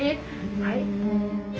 はい。